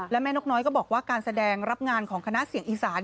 และแม่นกน้อยก็บอกว่าการแสดงรับงานของคณะเสียงอีสาน